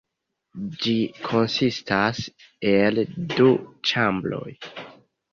Ĝi konsistas el du ĉambroj.